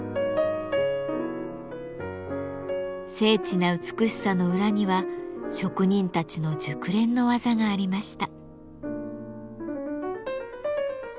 精緻な美しさの裏には職人たちの熟練の技がありました。